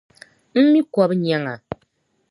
M mi kɔbu nyaŋ a.